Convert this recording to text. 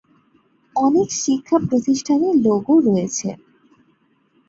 অনেক শিক্ষা প্রতিষ্ঠানে লোগো রয়েছে।